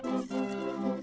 pertama suara dari biasusu